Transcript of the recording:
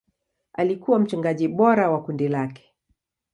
Alikuwa mchungaji bora wa kundi lake.